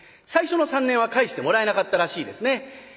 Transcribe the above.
最初の３年は帰してもらえなかったらしいですね。